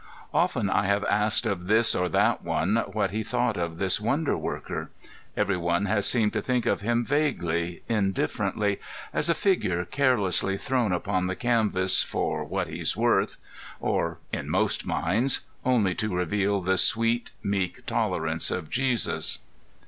✠ Often I have asked of this or that one, what he thought of this wonder worker. ✠ Every one has seemed to think of him vaguely, indifferently, as a figure carelessly thrown upon the canvas "for what he is worth," or in most minds only to reveal the sweet, meek tolerance of Jesus.